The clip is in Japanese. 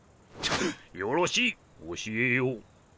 よろしい教えよう。